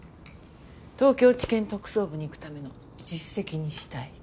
東京地検特捜部に行くための実績にしたい。